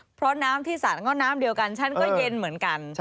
เพราะน้ำที่สารก็น้ำเดียวกันฉันก็เย็นเหมือนกัน